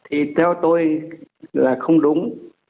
thì theo tôi là không đúng